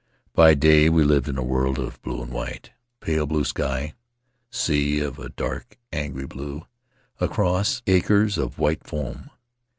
By day we lived in a world of blue and white — pale blue sky; sea of a dark, angry blue; acres of white foam.